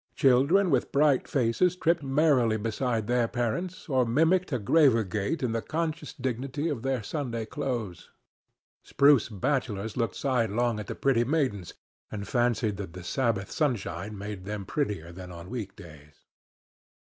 Children with bright faces tripped merrily beside their parents or mimicked a graver gait in the conscious dignity of their Sunday clothes. Spruce bachelors looked sidelong at the pretty maidens, and fancied that the Sabbath sunshine made them prettier than on week days.